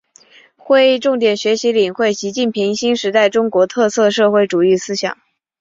会议重点学习领会习近平新时代中国特色社会主义思想